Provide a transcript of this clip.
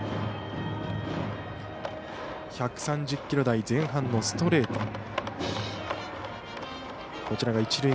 １３０キロ台前半のストレート。